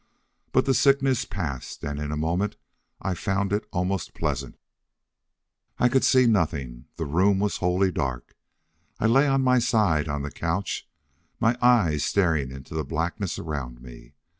But the sickness passed, and in a moment I found it almost pleasant. I could see nothing. The room was wholly dark. I lay on my side on the couch, my eyes staring into the blackness around me.